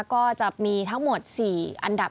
ก็จะมีทั้งหมด๔อันดับ